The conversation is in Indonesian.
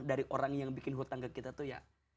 dari orang yang bikin hutang ke kita tuh ya